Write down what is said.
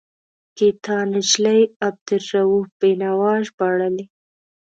ګیتا نجلي عبدالرؤف بینوا ژباړلی.